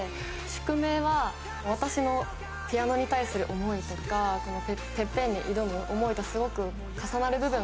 『宿命』は私のピアノに対する思いとかＴＥＰＰＥＮに挑む思いとすごく重なる部分があるなと思って。